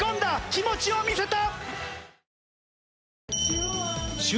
気持ちを見せた！